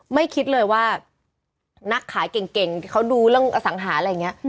ไม่คิดเลยว่านักขายเก่งที่เขาดูเรื่องอสังหาอะไรอย่างนี้